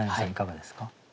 いかがですか？